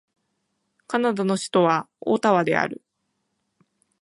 カナダの首都はオタワである